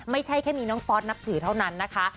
ไม่ใช่แค่มีน้องฟอสนับถือเท่านั้นนะคะ